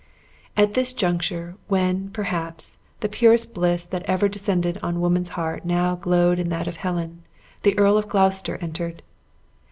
At this juncture, when, perhaps, the purest bliss that ever descended on woman's heart now glowed in that of Helen, the Earl of Gloucester entered.